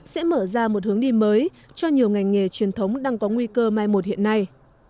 sẽ mở ra một hướng đi mới cho nhiều ngành nghề truyền thống đang có nguy cơ mai một hiện nay